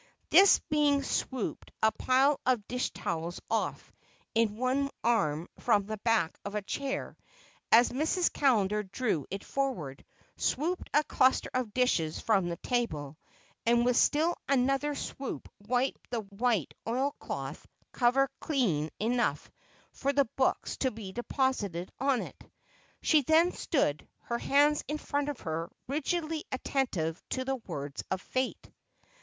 This being swooped a pile of dish towels off in one arm from the back of a chair as Mrs. Callender drew it forward, swooped a cluster of dishes from the table, and with still another swoop wiped the white oil cloth cover clean enough for the books to be deposited on it. She then stood, her hands in front of her, rigidly attentive to the words of fate.